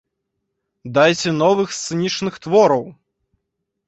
Дайце новых сцэнічных твораў!